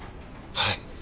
はい。